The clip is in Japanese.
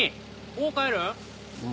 もう帰るん？